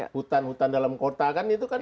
hutan hutan dalam kota kan itu kan